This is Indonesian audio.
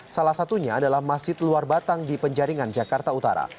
salah satunya adalah masjid luar batang di penjaringan jakarta utara